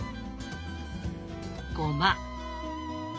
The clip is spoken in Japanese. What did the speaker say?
ごま。